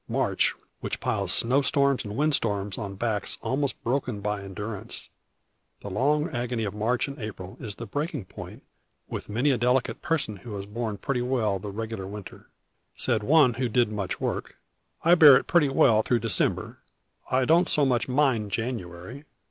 March, which piles snow storms and wind storms on backs almost broken by endurance. The long agony of March and April is the breaking point with many a delicate person who has borne pretty well the regular winter. Said one who did much work, "I bear it pretty well through December. I don't so much mind January.